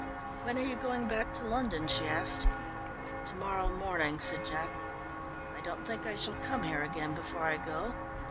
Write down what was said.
"When are you going back to London?" she asked. "To morrow morning," said Jack. "I don't think I shall come here again before I go."